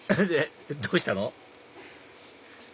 どうしたの？